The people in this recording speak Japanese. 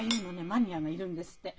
マニアがいるんですって。